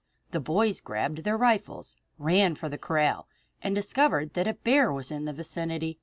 The boys grabbed their rifles, ran to the corral, and discovered that a bear was in the vicinity.